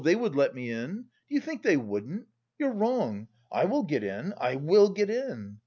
They would let me in! Do you think they wouldn't? You're wrong, I will get in! I will get in!